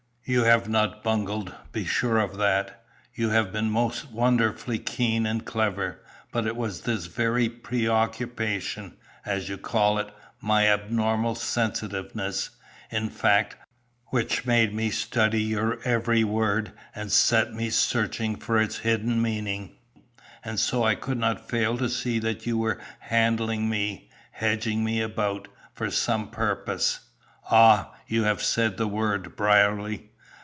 "You have not bungled, be sure of that. You have been most wonderfully keen and clever, but it was this very preoccupation, as you call it, my abnormal sensitiveness, in fact, which made me study your every word and set me searching for its hidden meaning; and so I could not fail to see that you were handling me, hedging me about, for some purpose." "Ah! You have said the word, Brierly."